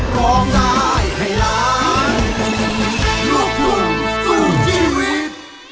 โทรใจคนบอกว่ารักฉันอับงาน